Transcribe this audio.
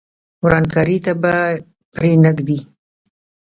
ورانکاري ته به پرې نه ږدي.